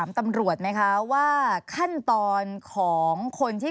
แล้วก็จ่ายค่าปรับแล้วก็ออกมาค่ะ